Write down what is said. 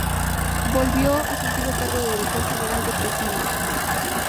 Volvió a su antiguo cargo de Director General de Presidios.